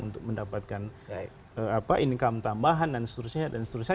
untuk mendapatkan income tambahan dan seterusnya